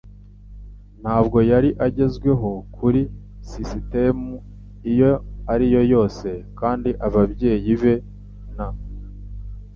Ntabwo yari agezweho kuri sisitemu iyo ari yo yose kandi ababyeyi be n